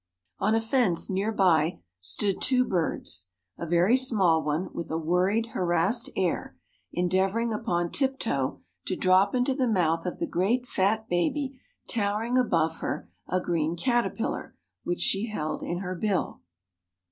On a fence near by stood two birds a very small one, with a worried, harassed air, endeavoring upon tip toe to drop into the mouth of the great fat baby towering above her a green caterpillar which she held in her bill.